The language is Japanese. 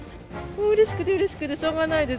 うれしくてうれしくてしょうがないです。